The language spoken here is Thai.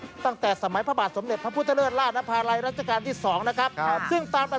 ชุดไทรามันไปทำบุญตามวัดต่างและมีการปล่อยนกปล่อยปลา